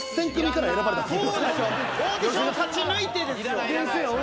オーディション勝ち抜いてですよ。